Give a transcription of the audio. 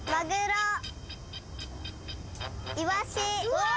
うわ！